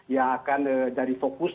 yang akan jadi fokus